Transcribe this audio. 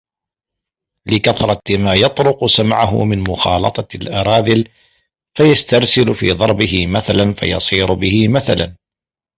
لِكَثْرَةِ مَا يَطْرُقُ سَمْعَهُ مِنْ مُخَالَطَةِ الْأَرَاذِلِ فَيَسْتَرْسِلُ فِي ضَرْبِهِ مَثَلًا فَيَصِيرُ بِهِ مَثَلًا